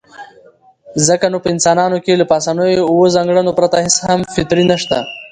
ځکه نو په انسانانو کې له پاسنيو اووو ځانګړنو پرته هېڅ هم فطري نشته.